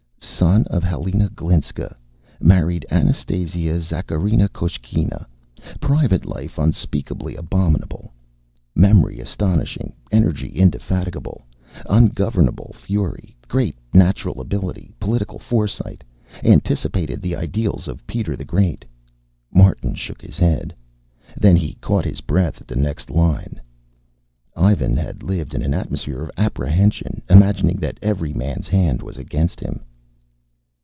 Son of Helena Glinska ... married Anastasia Zakharina Koshkina ... private life unspeakably abominable ... memory astonishing, energy indefatigable, ungovernable fury great natural ability, political foresight, anticipated the ideals of Peter the Great Martin shook his head. Then he caught his breath at the next line. Ivan had lived in an atmosphere of apprehension, imagining that every man's hand was against him.